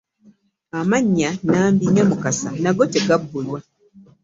Amannya Nambi ne Mukasa nago tegabbulwa.